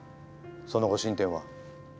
その後進展は？